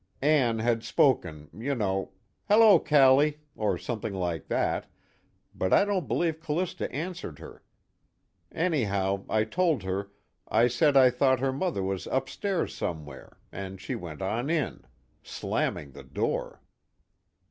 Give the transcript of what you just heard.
Ann had spoken you know, 'Hello, Callie!' or something like that, but I don't believe C'lista answered her. Anyhow I told her, I said I thought her mother was upstairs somewhere, and she went on in. Slamming the door."